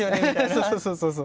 そうそうそうそうそう。